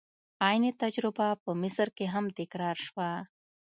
عین تجربه په مصر کې هم تکرار شوه.